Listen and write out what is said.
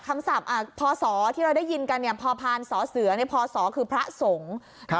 คำศัพท์พอศที่เราได้ยินกันพอพาลศเสือพอศคือพระสงฆ์